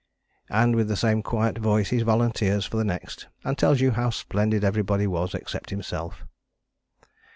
And with the same quiet voice he volunteers for the next, and tells you how splendid everybody was except himself.